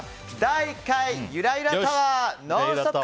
第１回ゆらゆらタワーノンストップ！